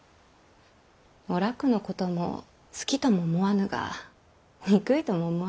お楽のことも好きとも思わぬが憎いとも思わぬし。